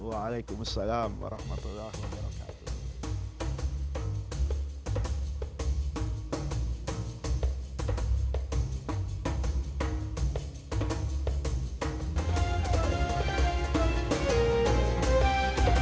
waalaikumsalam warahmatullahi wabarakatuh